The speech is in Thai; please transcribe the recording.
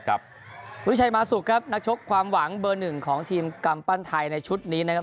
วิทยาชัยมาสุกครับนักชกความหวังเบอร์หนึ่งของทีมกำปั้นไทยในชุดนี้นะครับ